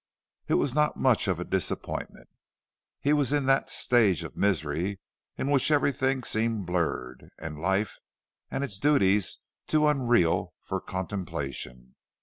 It was not much of a disappointment. He was in that stage of misery in which everything seems blurred, and life and its duties too unreal for contemplation.